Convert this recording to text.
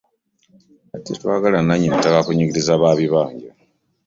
Era tetwagala nnannyini ttaka kunyigiriza ba bibanja